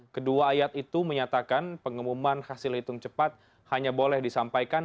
kedua ayat itu menyatakan pengumuman hasil hitung cepat hanya boleh disampaikan